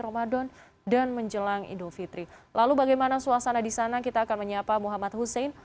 ramadan dan menjelang idul fitri lalu bagaimana suasana di sana kita akan menyapa muhammad hussein